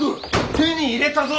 手に入れたぞ！